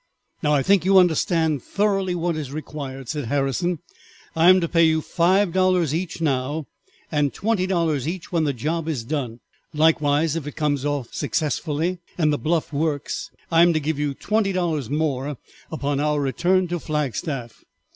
"Now I think you understand thoroughly what is required," said Harrison. "I am to pay you five dollars each now, and twenty dollars each when the job is done, likewise if it comes off successfully and the bluff works I am to give you twenty dollars more upon our return to Flagstaff.